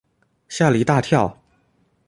吓了一大跳